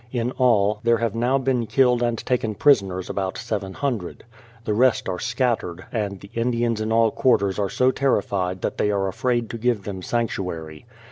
In all, there have now been killed and taken prisoners about 700. The rest are scattered, and the Indians in all quarters are so terri fied that they are afraid to give them sanctuary.